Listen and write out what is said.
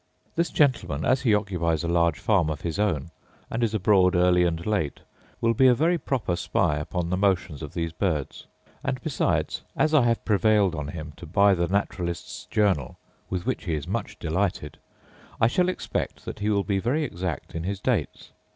This gentleman, as he occupies a large farm of his own, and is abroad early and late, will be a very proper spy upon the motions of these birds: and besides, as I have prevailed on him to buy the Naturalist's Journal (with which he is much delighted), I shall expect that he will be very exact in his dates.